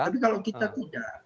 tapi kalau kita tidak